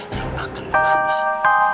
yang akan mematikan